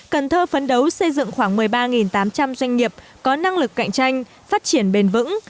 cần thơ phấn đấu xây dựng khoảng một mươi ba tám trăm linh doanh nghiệp có năng lực cạnh tranh phát triển bền vững